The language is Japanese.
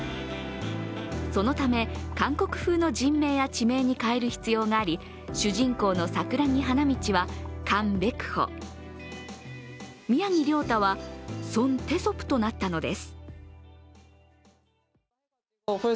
そのため韓国風の人名や地名に変える必要があり主人公の桜木花道はカン・ベクホ、宮城リョータはソン・テソプとなったのです。